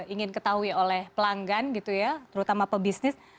ingin ketahui oleh pelanggan gitu ya terutama pebisnis